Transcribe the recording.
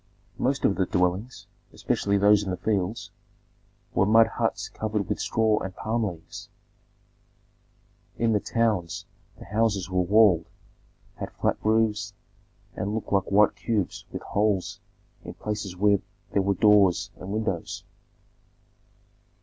Most of the dwellings, especially those in the fields, were mud huts covered with straw and palm leaves. In the towns the houses were walled, had flat roofs, and looked like white cubes with holes in places where there were doors and windows.